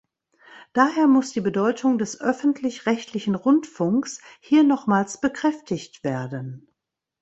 Daher muss die Bedeutung des öffentlich-rechtlichen Rundfunks hier nochmals bekräftigt werden.